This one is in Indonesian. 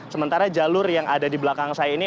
sementara jalur yang ada di belakang saya ini